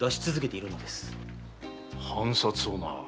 藩札をな。